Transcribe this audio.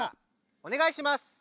おねがいします！